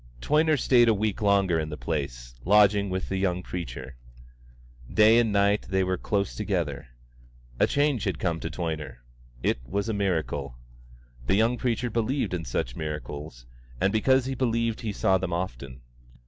Toyner stayed a week longer in the place, lodging with the young preacher. Day and night they were close together. A change had come to Toyner. It was a miracle. The young preacher believed in such miracles, and because he believed he saw them often.